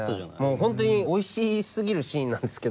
本当においしすぎるシーンなんですけど。